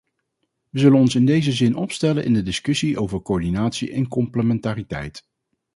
Wij zullen ons in deze zin opstellen in de discussie over coördinatie en complementariteit.